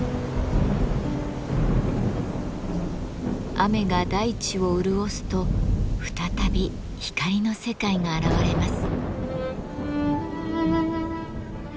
雨が大地を潤すと再び光の世界が現れます。